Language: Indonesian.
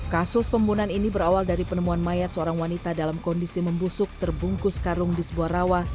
kasus pembunuhan ini berawal dari penemuan mayat seorang wanita dalam kondisi membusuk terbungkus karung di sebuah rawa